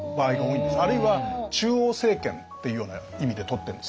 あるいは中央政権っていうような意味で通ってるんですよね。